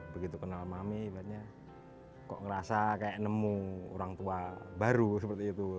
begitu kenal mami ibaratnya kok ngerasa kayak nemu orang tua baru seperti itu